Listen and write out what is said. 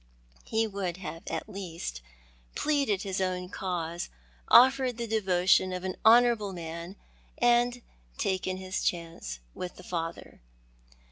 He would at least have pleaded his own cause, offered the devotion of an honourable man, and taken his chance with the father.